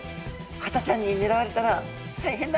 ハタちゃんにねらわれたら大変だ。